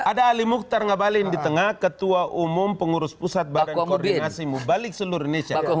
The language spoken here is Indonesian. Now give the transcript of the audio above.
ada ali mukhtar ngabalin di tengah ketua umum pengurus pusat badan koordinasi mubalik seluruh indonesia